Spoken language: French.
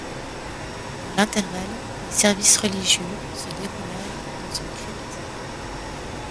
Dans l'intervalle, les services religieux se déroulèrent dans une crypte.